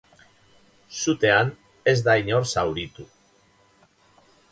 Sutean ez da inor zauritu.